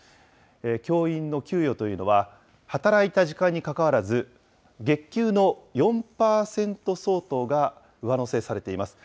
教員の給与というのは、働いた時間にかかわらず、月給の４％相当が上乗せされています。